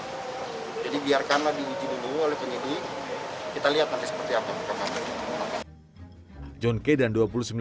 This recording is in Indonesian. jadi biarkanlah diuji dulu oleh penyidik kita lihat nanti seperti apa